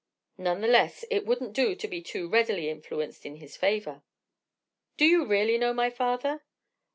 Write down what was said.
None the less, it wouldn't do to be too readily influenced in his favour. "Do you really know my father?"